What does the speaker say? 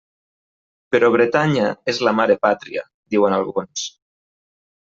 Però Bretanya és la mare pàtria, diuen alguns.